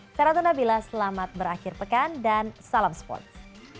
saya ratna bila selamat berakhir pekan dan salam sports